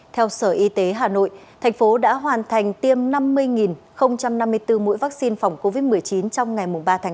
theo sở y tế hà nội thành phố đã hoàn thành tiêm năm mươi năm mươi bốn mũi vaccine phòng covid một mươi chín trong ngày ba tháng chín